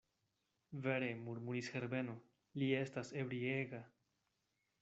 Vere, murmuris Herbeno, li estas ebriega.